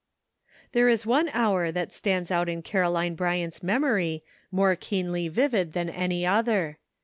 There is one hour that stands out in Caroline Bryant's memory more keenly vivid than any other.